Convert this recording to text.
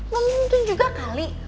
mungkin juga kali